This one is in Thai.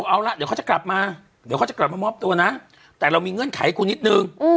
เอาล่ะเดี๋ยวเขาจะกลับมามอบตัวนะแต่เรามีเงื่อนไขให้คุณนิดนึง